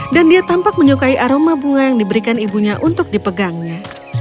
dan dia tampak menyukai aroma bunga yang diberikan ibunya untuk dipegangnya